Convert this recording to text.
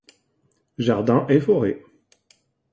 Jardins et forêts.